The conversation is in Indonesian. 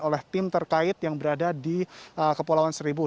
oleh tim terkait yang berada di kepulauan seribu